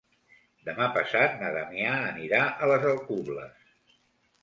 Demà passat na Damià anirà a les Alcubles.